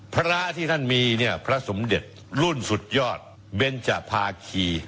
พระที่ท่านมีเนี่ยพระสมเด็จรุ่นสุดยอดเบนจภาคี